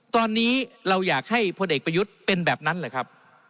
ตอนนี้เราอยากให้พลเอกประยุทธ์เป็นแบบนั้นเหรอครับ